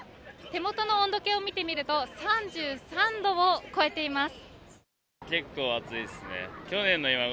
手元の時計を見てみると３３度を超えています。